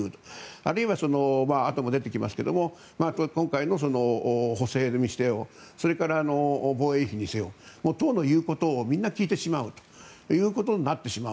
あるいはあとで出てきますが今回の補正にせよそれから防衛費にせよ党の言うことをみんな聞いてしまうということになってしまう。